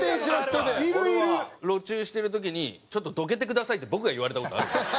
路駐してる時にちょっとどけてくださいって僕が言われた事あるんですよ。